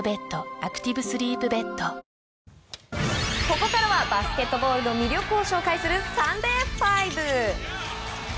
ここからはバスケットボールの魅力を紹介するサンデーＦＩＶＥ！